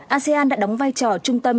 asean đã đóng vai trò trung tâm